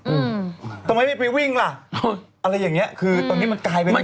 อืมทำไมไม่ไปวิ่งล่ะอะไรอย่างเงี้ยคือตอนนี้มันกลายเป็น